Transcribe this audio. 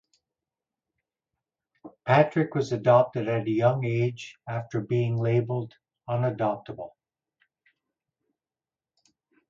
Patrick was adopted at a young age after being labeled "unadoptable".